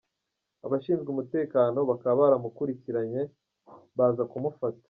Abashizwe umutekano bakaba baramukurikiranye baza kumufata.